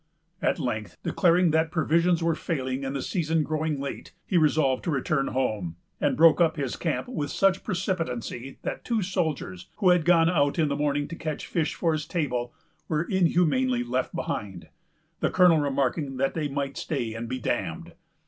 At length, declaring that provisions were failing and the season growing late, he resolved to return home; and broke up his camp with such precipitancy that two soldiers, who had gone out in the morning to catch fish for his table, were inhumanly left behind; the colonel remarking that they might stay and be damned.